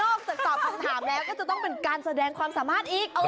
ตอบคำถามแล้วก็จะต้องเป็นการแสดงความสามารถอีก